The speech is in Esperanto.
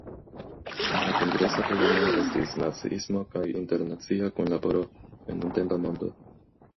La kongresa temo estis "Naciismo kaj internacia kunlaboro en nuntempa mondo".